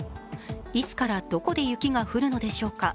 いつから、どこで雪が降るのでしょうか。